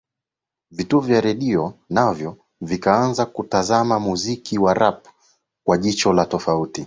Vituo vya redio navyo vikaanza kuutazama muziki wa Rap kwa jicho la tofauti